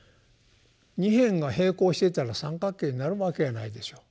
二辺が平行してたら三角形になるわけがないでしょう。